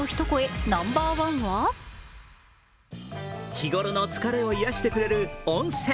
日頃の疲れを癒やしてくれる温泉。